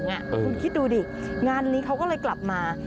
คุณคิดดูดิงานนี้เขาก็เลยกลับมา